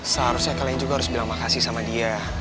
seharusnya kalian juga harus bilang makasih sama dia